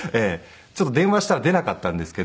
ちょっと電話したら出なかったんですけど。